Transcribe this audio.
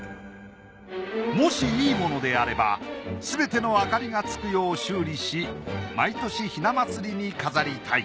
もしいいものであればすべての明かりがつくよう修理し毎年雛祭りに飾りたい。